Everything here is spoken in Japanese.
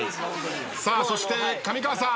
さあそして上川さん。